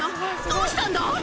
どうしたんだ？